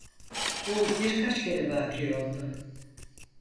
Bu birkaç kere vâki oldu.